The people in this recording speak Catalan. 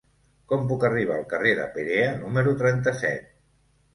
Com puc arribar al carrer de Perea número trenta-set?